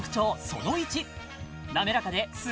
その１